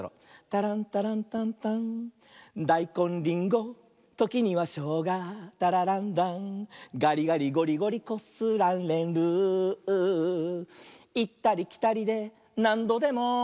「タランタランタンタン」「だいこんりんごときにはしょうがタラランラン」「がりがりごりごりこすられる」「いったりきたりでなんどでも」